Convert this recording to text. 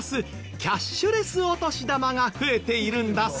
キャッシュレスお年玉が増えているんだそう。